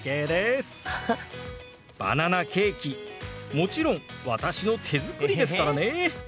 もちろん私の手作りですからね。